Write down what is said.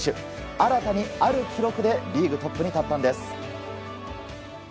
新たに、ある記録でリーグトップに立ったんです。